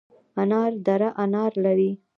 انار دره انار لري؟